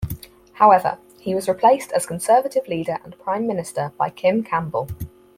However, he was replaced as Conservative leader and prime minister by Kim Campbell.